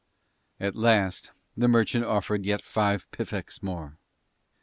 At last the merchant offered yet five piffeks more.